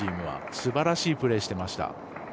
すばらしいプレーしていました。